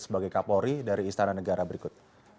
sebagai kapolri dari istana negara berikut